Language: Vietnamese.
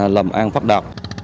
làm an phát đạo